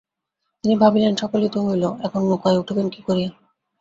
তিনি ভাবিলেন, সকলই তো হইল, এখন নৌকায় উঠিবেন কী করিয়া।